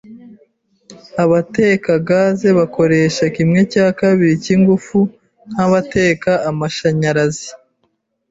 Abateka gaz bakoresha kimwe cya kabiri cyingufu nkabateka amashanyarazi.